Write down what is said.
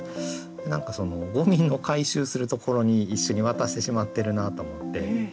何かゴミの回収するところに一緒に渡してしまってるなと思って。